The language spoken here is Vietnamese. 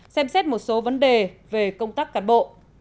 xem xét một số vấn đề về công tác cán bộ